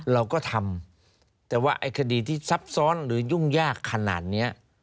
เราก็ทำแต่ว่าไอ้คดีที่ซับซ้อนหรือยุ่งยากขนาดนี้